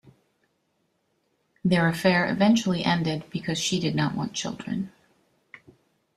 Their affair eventually ended because she did not want children.